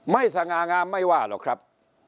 สง่างามไม่ว่าหรอกครับ